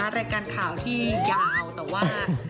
รายการข่าวที่ยาวแต่ว่า